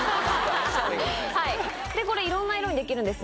はいでこれいろんな色にできるんです。